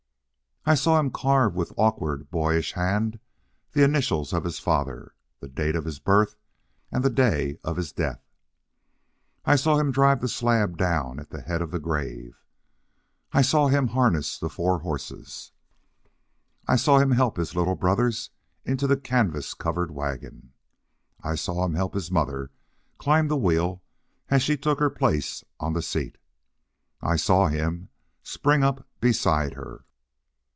I saw him carve with awkward, boyish hands the initials of his father, the date of his birth and the day of his death. I saw him drive the slab down at the head of the grave. I saw him harness the four horses. I saw him help his little brothers into the canvas covered wagon. I saw him help his mother climb the wheel as she took her place on the seat. I saw him spring up beside her.